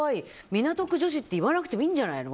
港区女子って言わなくてもいいんじゃないの？